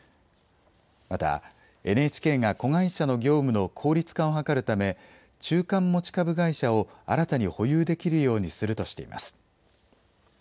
また、ＮＨＫが子会社の業務の効率化を図るため中間持株会社を新たに保有できるようにするとしています。